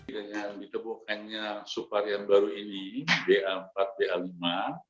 kondisinya yang ditemukannya supar yang baru ini ba empat ba lima